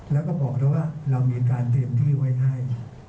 แล้วก็บอกด้วยว่าเรามีการเตรียมที่ไว้ให้